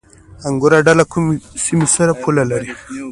انګور اډه له کومې سیمې سره پوله لري؟